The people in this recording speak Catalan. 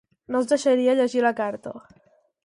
No els deixaria llegir la carta.